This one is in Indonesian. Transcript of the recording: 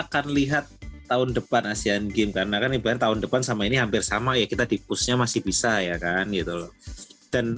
kalau kita bisa kebalikin lagi berarti punya modal dong